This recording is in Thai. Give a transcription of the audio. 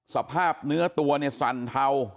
สภาพเนื้อตัวเนี่ยสั่นเทา